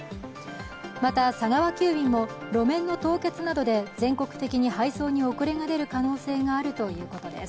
また、佐川急便も路面の凍結などで全国的に配送に遅れが出る可能性があるということです。